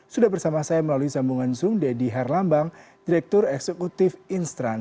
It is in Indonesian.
sudah bersama saya melalui sambungan zoom dedy harlambang direktur eksekutif instran